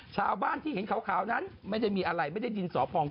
ชาวบ้านที่เห็นขาวนั้นไม่ได้มีอะไรไม่ได้ดินสอพอง